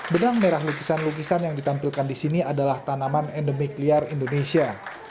benang merah lukisan lukisan yang ditampilkan di sini adalah tanaman endemik liar indonesia